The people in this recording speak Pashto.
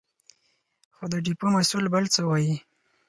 خو د ډېپو مسوول بل څه وايې.